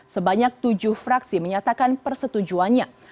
sebanyak tujuh fraksi menyatakan persetujuannya